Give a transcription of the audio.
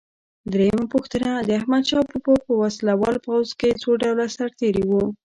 درېمه پوښتنه: د احمدشاه بابا په وسله وال پوځ کې څو ډوله سرتیري وو؟